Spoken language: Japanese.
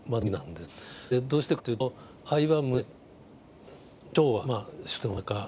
でどうしてかというと肺は胸腸はまあ主としておなか。